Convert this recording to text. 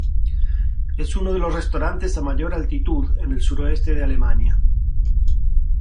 Es uno de los restaurantes a mayor altitud en el suroeste de Alemania.